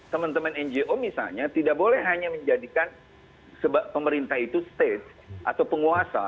teman teman ngo misalnya tidak boleh hanya menjadikan pemerintah itu state atau penguasa